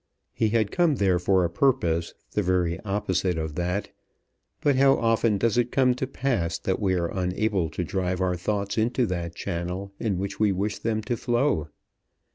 He had come there for a purpose, the very opposite of that; but how often does it come to pass that we are unable to drive our thoughts into that channel in which we wish them to flow?